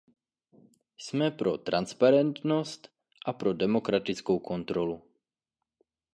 Jsme pro transparentnost a pro demokratickou kontrolu.